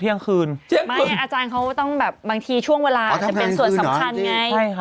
เที่ยงคืนไม่อาจารย์เขาต้องแบบบางทีช่วงเวลาจะเป็นส่วนสำคัญไงใช่ค่ะ